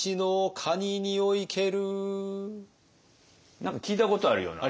何か聞いたことあるような。